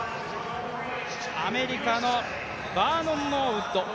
アメリカのバーノン・ノーウッド。